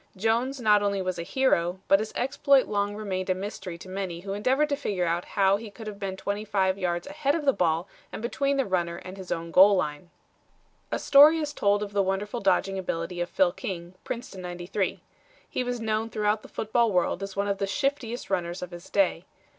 Jones not only was a hero, but his exploit long remained a mystery to many who endeavored to figure out how he could have been 25 yards ahead of the ball and between the runner and his own goal line." A story is told of the wonderful dodging ability of Phil King, Princeton '93. He was known throughout the football world as one of the shiftiest runners of his day.